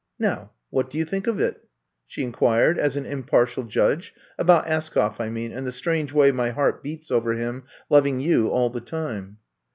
Now, what do you think of it,'' she inquired, as an impartial judge! About Askoff, I mean, and the strange way my heart beats over him, loving you all the time."